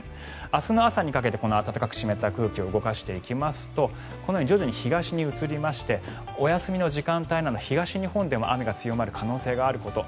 明日の朝にかけてこの暖かく湿った空気を動かしていきますとこのように徐々に東に移りましてお休みの時間帯など東日本でも雨が強まる可能性があること。